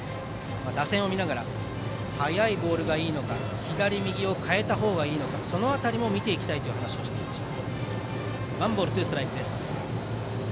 打線を見ながら速いボールがいいのか左、右を変えたほうがいいのかその辺りも見ていきたいという話をしていました。